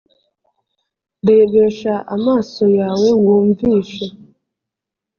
rebesha amaso yawe wumvishe